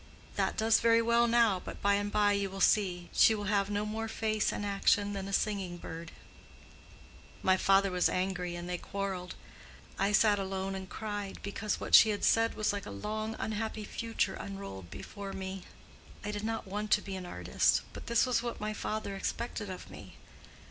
That does very well now, but by and by you will see—she will have no more face and action than a singing bird.' My father was angry, and they quarreled. I sat alone and cried, because what she had said was like a long unhappy future unrolled before me. I did not want to be an artist; but this was what my father expected of me.